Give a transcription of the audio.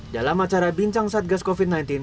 dalam acara bincang satgas covid sembilan belas